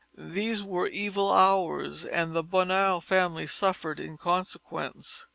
These were evil hours and the Bonheur family suffered in consequence.